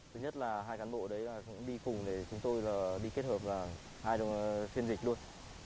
thứ nhất là hai cán bộ đấy cũng đi cùng để chúng tôi đi kết hợp là hai phiên dịch luôn